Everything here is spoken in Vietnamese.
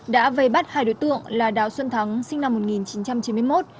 đã vây bắt hai đối tượng là đào xuân thắng sinh năm một nghìn chín trăm chín mươi một